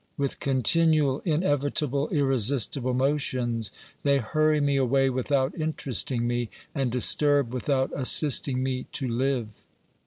With continual, in evitable, irresistible motions, they hurry me away without interesting me, and disturb without assisting me to live.